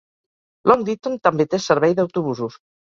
Long Ditton també té servei d'autobusos.